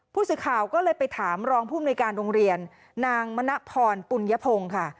ผู้สื่อข่าวก็เลยไปถามรองผู้มนุยการโรงเรียนนางมณพรปุญยพงศ์ค่ะ